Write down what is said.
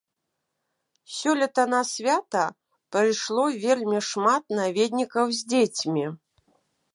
Сёлета на свята прыйшло вельмі шмат наведнікаў з дзецьмі.